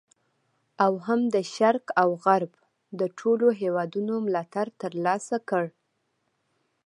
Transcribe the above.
او هم د شرق او غرب د ټولو هیوادونو ملاتړ تر لاسه کړ.